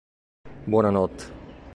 Buona notte!